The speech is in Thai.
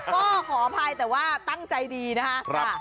ก็ขออภัยแต่ว่าตั้งใจดีนะคะ